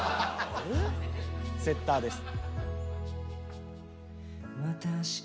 「セッター」です。